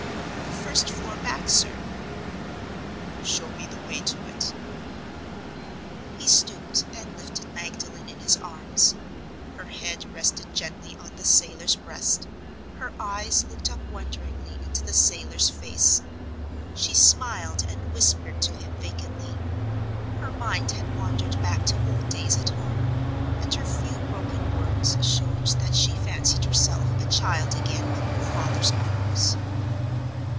"The first floor back, sir." "Show me the way to it." He stooped, and lifted Magdalen in his arms. Her head rested gently on the sailor's breast; her eyes looked up wonderingly into the sailor's face. She smiled, and whispered to him vacantly. Her mind had wandered back to old days at home; and her few broken words showed that she fancied herself a child again in her father's arms.